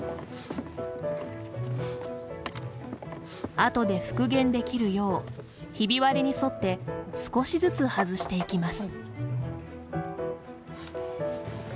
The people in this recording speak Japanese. あとで復元できるようひび割れに沿って少しずつ外していきます。